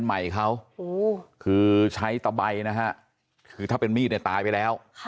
ใหม่เขาคือใช้ตะใบนะฮะคือถ้าเป็นมีดเนี่ยตายไปแล้ว